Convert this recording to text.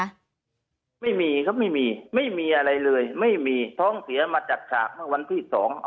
ไม่มีครับไม่มีไม่มีอะไรเลยไม่มีท้องเสียมาจัดฉากเมื่อวันที่สอง